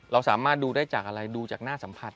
เราสามารถดูได้จากอะไรดูจากหน้าสัมผัส